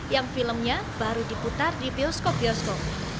yang filmnya baru diputar di bioskop bioskop